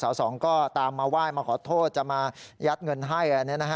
สองก็ตามมาไหว้มาขอโทษจะมายัดเงินให้